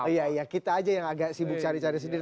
oh iya iya kita aja yang agak sibuk cari cari sendiri